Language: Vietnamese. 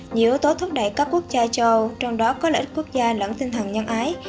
nhiều yếu tố thúc đẩy các quốc gia châu trong đó có lợi ích quốc gia lẫn tinh thần nhân ái